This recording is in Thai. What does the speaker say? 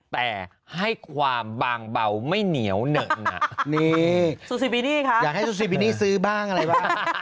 แต่ให้ความบางเบาไม่เหนียวเหนิ่นนี่ซูซิบินี่ค่ะอยากให้ซูซิบินี่ซื้อบ้างอะไรบ้าง